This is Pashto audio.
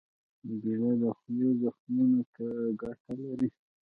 کېله د خولې زخمونو ته ګټه لري.